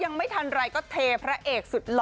ยังไม่ทันไรก็เทพระเอกสุดหล่อ